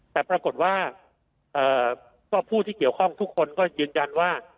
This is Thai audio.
แต่ปรากฏว่าผู้ที่เกี่ยวข้องทุกคนก็ยืนยันว่า